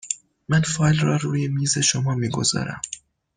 من فایل را روی میز شما می گذارم.